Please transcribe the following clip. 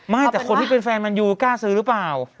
ไม่แต่คนที่เป็นแฟนแมนยูกล้าซื้อหรือเปล่า